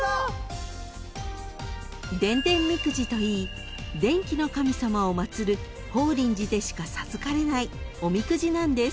［といい電気の神様を祭る法輪寺でしか授かれないおみくじなんです］